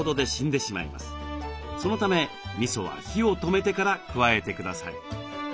そのためみそは火を止めてから加えてください。